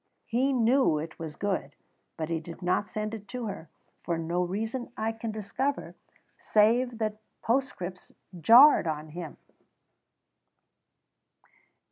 He knew it was good, but he did not send it to her, for no reason I can discover save that postscripts jarred on him.